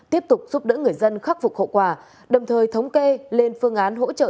tiếp tục giúp đỡ người dân khắc phục hậu quả đồng thời thống kê lên phương án hỗ trợ